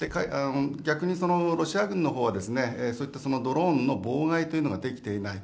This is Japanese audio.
逆に、ロシア軍のほうはそういったドローンの妨害というのができていない。